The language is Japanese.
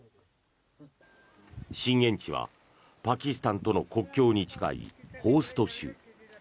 震源地はパキスタンとの国境に近いホースト州。